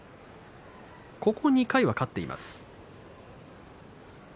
ここ２回は勝っています。